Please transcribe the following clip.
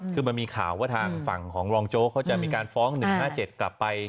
คือมันมีข่าวว่าทางฝั่งของรองโจ๊กเขาจะมีการฟ้อง๑๕๗กลับไป